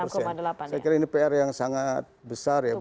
saya kira ini pr yang sangat besar ya